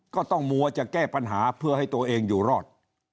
ก็ต้องมัวจะแก้ปัญหาเพื่อให้ตัวเองอยู่รอด